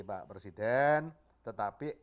pak presiden tetapi